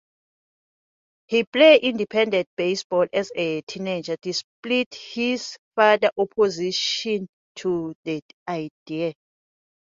He played independent baseball as a teenager, despite his father's opposition to the idea.